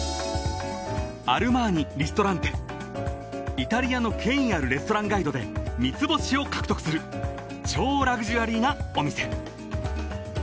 ［イタリアの権威あるレストランガイドで三つ星を獲得する超ラグジュアリーなお店］